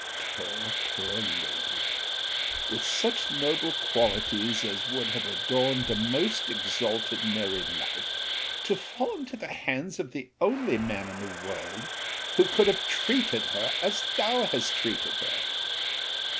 Poor, poor lady! With such noble qualities as would have adorned the most exalted married life, to fall into the hands of the only man in the world, who could have treated her as thou hast treated her!